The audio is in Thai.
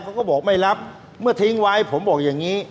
เขาก็บอกไม่รับเมื่อทิ้งไว้ผมบอกอย่างนี้